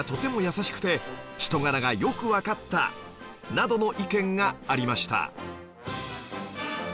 などの意見がありました